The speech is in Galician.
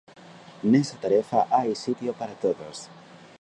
Nesa tarefa hai sitio para todos.